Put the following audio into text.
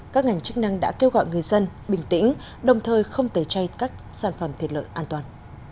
các ngành chức năng đã kêu gọi người dân bình tĩnh đồng thời không tẩy chay các sản phẩm thịt lợn an toàn